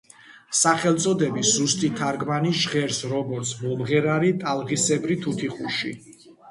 სახელწოდების ზუსტი თარგმანი ჟღერს, როგორც: „მომღერალი ტალღისებრი თუთიყუში“.